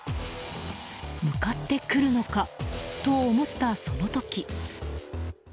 向かってくるのかと思ったその時。